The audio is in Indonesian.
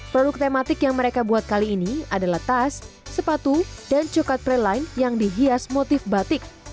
produk tematik yang mereka buat kali ini adalah tas sepatu dan coklat preline yang dihias motif batik